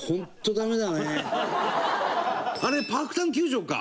あれパークタウン球場か。